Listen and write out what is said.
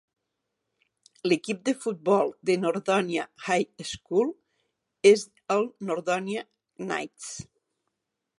L'equip de futbol de Nordonia High School és el Nordonia Knights.